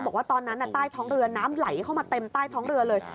บอกว่าตอนนั้นใต้ท้องเรือน้ำไหลเข้ามาเต็มใต้ท้องเรือเลย